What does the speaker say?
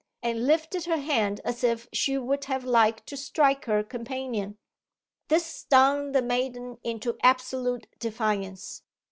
and lifted her hand as if she would have liked to strike her companion. This stung the maiden into absolute defiance.